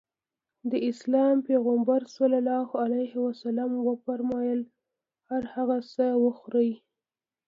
د اسلام پيغمبر ص وفرمايل هر هغه څه وخورې.